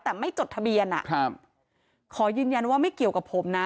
แต่ไม่จดทะเบียนอ่ะครับขอยืนยันว่าไม่เกี่ยวกับผมนะ